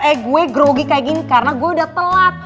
eh gue grogi kayak gini karena gue udah telat